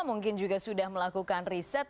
satu dua mungkin juga sudah melakukan riset